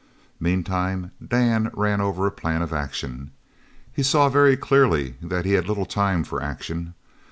Meantime Dan ran over a plan of action. He saw very clearly that he had little time for action.